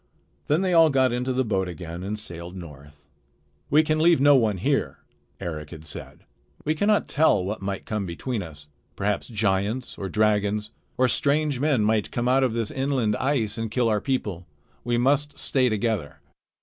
Then they all got into the boat again and sailed north. "We can leave no one here," Eric had said. "We cannot tell what might come between us. Perhaps giants or dragons or strange men might come out of this inland ice and kill our people. We must stay together."